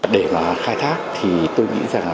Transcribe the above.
để mà khai thác thì tôi nghĩ rằng